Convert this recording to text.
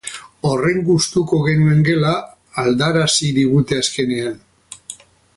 Horren gustuko genuen gela aldarazi digute azkenean.